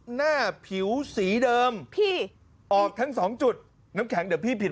หน้าผิวสีเดิมพี่ออกทั้งสองจุดน้ำแข็งเดี๋ยวพี่ผิด